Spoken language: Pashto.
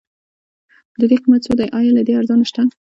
ددې قيمت څو دی؟ ايا له دې ارزان شته؟